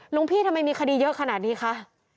หลวงพี่ทำไมมีคดีเยอะขนาดนี้คะ